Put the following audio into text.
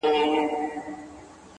مه راته وايه چي د کار خبري ډي ښې دي;